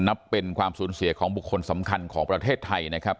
นับเป็นความสูญเสียของบุคคลสำคัญของประเทศไทยนะครับ